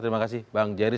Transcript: terima kasih bang jerry